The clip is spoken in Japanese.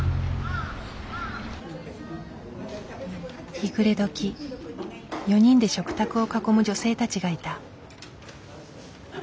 日暮れどき４人で食卓を囲む女性たちがいた。